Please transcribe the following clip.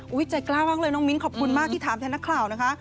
ใจกล้ามากเลยน้องมิ้นขอบคุณมากที่ถามแทนนักข่าวนะคะ